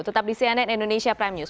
tetap di cnn indonesia prime news